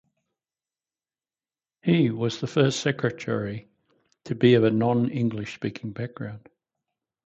He was the first Secretary to be of a non-English speaking background.